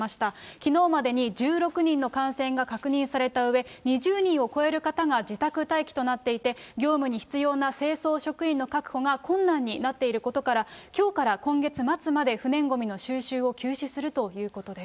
きのうまでに１６人の感染が確認されたうえ、２０人を超える方が自宅待機となっていて、業務に必要な清掃職員の確保が困難になっていることから、きょうから今月末まで不燃ごみの収集を休止するということです。